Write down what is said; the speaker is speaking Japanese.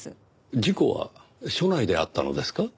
事故は署内であったのですか？